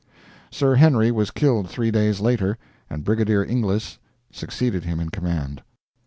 Sir Henry was killed three days later, and Brigadier Inglis succeeded him in command.